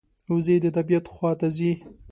وزې د طبعیت خوا ته ځي